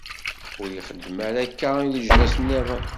Ur ixdim ara akka i leǧnas-nniḍen.